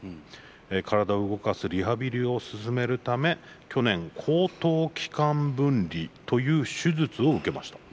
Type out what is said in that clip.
体を動かすリハビリを進めるため去年喉頭気管分離という手術を受けました。